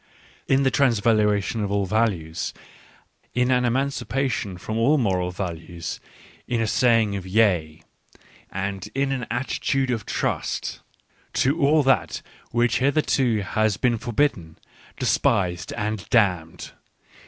In the Transvaluation of all Values \ in an emancipation from all moral values, in a say ing of yea, and in an attitude of trust, to all that which hitherto has been forbidden, despised, and damned.